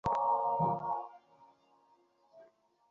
Ah, Paul Duval.